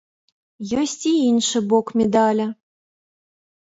Ёсць і іншы бок медаля.